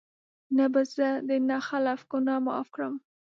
نه به زه د نا خلف ګناه معاف کړم